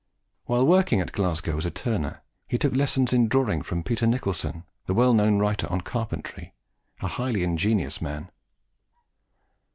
While working at Glasgow as a turner, he took lessons in drawing from Peter Nicholson, the well known writer on carpentry a highly ingenious man.